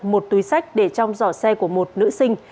một túi sách để trong giỏ xe của một nữ sinh